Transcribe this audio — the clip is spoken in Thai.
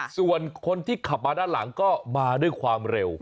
ส่วนคนที่ขับมาด้านหลังก็มาด้วยความเร็ว